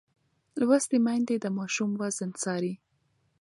لوستې میندې د ماشوم وزن څاري.